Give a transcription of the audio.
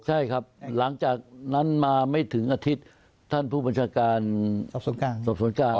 ใช่ครับหลังจากนั้นมาไม่ถึงอาทิตย์ท่านผู้บัญชาการสอบสวนกลาง